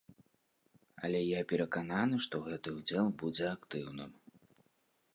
Але я перакананы, што гэты ўдзел будзе актыўным.